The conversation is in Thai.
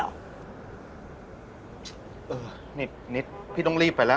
เออนิดพี่ต้องรีบไปละ